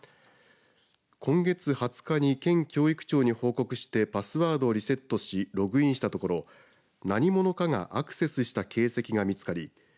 今月２０日に県教育庁に報告してパスワードをリセットしログインしたところ何者かがアクセスした形跡が見つかり